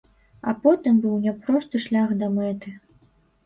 А потым быў няпросты шлях да мэты.